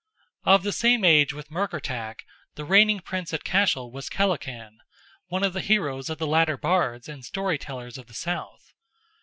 Of the same age with Murkertach, the reigning Prince at Cashel was Kellachan, one of the heroes of the latter Bards and Story tellers of the South.